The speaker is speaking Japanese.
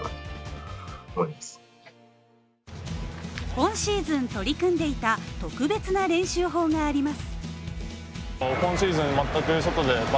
今シーズン取り組んでいた特別な練習法があります。